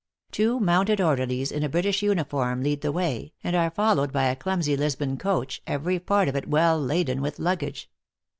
Two mounted orderlies, in a British uniform, lead the way, and are followed by a clumsy Lisbon coach, every part of it well laden with luggage.